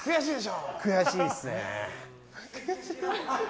悔しいですね。